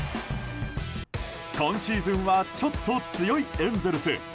今シーズンはちょっと強いエンゼルス。